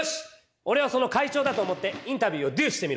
おれをその会長だと思ってインタビューをドゥしてみろ。